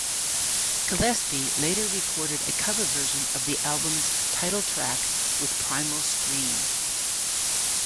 Gillespie later recorded a cover version of the album's title track with Primal Scream.